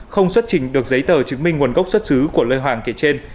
không xuất trình được giấy tờ chứng minh nguồn cốc xuất xứ của lời hoàng kể trên